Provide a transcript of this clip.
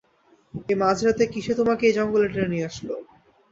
এই মাঝ রাতে, কিসে তোমাকে এই জঙ্গলে টেনে নিয়ে আসলো?